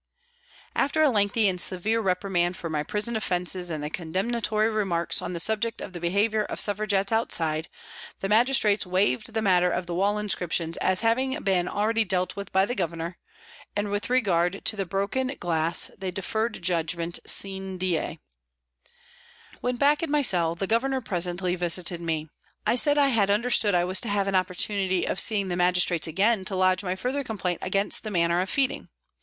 After a lengthy and severe repri mand for my prison offences and condemnatory remarks on the subject of the behaviour of Suffra gettes outside, the Magistrates waived the matter of the wall inscriptions as having been already dealt with by the Governor, and with regard to the broken glass they deferred judgment sine die. When back in my cell, the Governor presently visited me. I said I had understood I was to have an opportunity of seeing the Magistrates again to lodge my further complaint against the manner of feeding.